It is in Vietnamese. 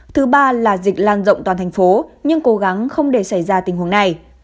thứ ba là dịch lan rộng toàn thành phố nhưng cố gắng không để xảy ra tình huống này